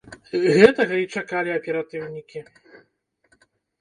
Гэтага і чакалі аператыўнікі.